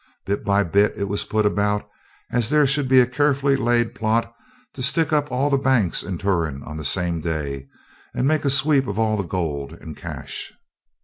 Bit by bit it was put about as there should be a carefully laid plot to stick up all the banks in Turon on the same day, and make a sweep of all the gold and cash.